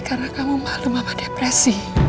karena kamu malu mama depresi